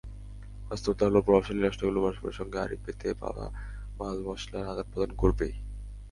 বাস্তবতা হলো প্রভাবশালী রাষ্ট্রগুলো পরস্পরের সঙ্গে আড়ি পেতে পাওয়া মালমসলার আদান-প্রদান করবেই।